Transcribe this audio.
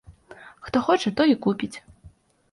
Хто хоча, той і купіць.